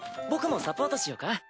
僕もサポートしようか？